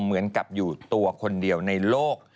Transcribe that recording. เหมือนกับอยู่ตัวคนเดียวในโลก